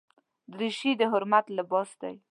دریشي د حرمت لباس دی.